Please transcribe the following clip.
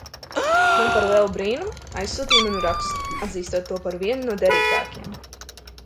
Man par lielu brīnumu – aizsūtīja manu rakstu, atzīstot to par vienu no derīgākiem.